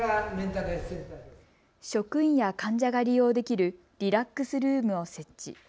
職員や患者が利用できるリラックスルームを設置。